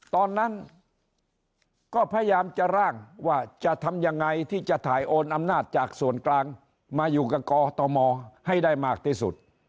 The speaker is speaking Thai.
ตอนนั้นก็พยายามจะร่างว่าจะทำยังไงที่จะถ่ายโอนอำนาจจากส่วนกลางมาอยู่กับกตมให้ได้มากที่สุด